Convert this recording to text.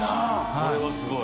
これはすごい。